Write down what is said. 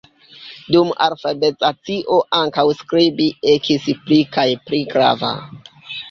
Dum alfabetizacio ankaŭ skribi ekis pli kaj pli grava.